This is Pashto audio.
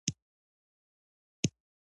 لکه نیمزال زلمیتوب